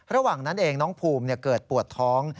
ระหว่างนั้นเองน้องภูมิเกิดปวดท้อง